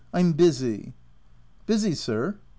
I'm busy." "Busy, sir?"